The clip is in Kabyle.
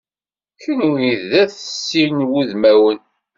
Kunwi d at sin wudmawen.